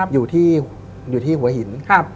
อยู่ที่หัวหิน